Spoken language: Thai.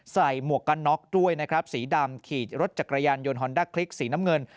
หมวกกันน็อกด้วยนะครับสีดำขี่รถจักรยานยนต์ฮอนด้าคลิกสีน้ำเงิน